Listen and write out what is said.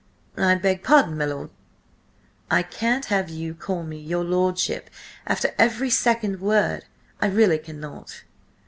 "I beg pardon, my lord?" "I can't have you call me 'your lordship,' after every second word–I really cannot."